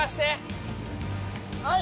はい。